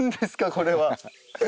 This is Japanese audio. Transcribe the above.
これは。